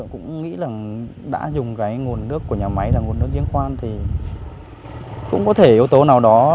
cái nguồn nước của nhà máy là nguồn nước diễn khoan thì cũng có thể yếu tố nào đó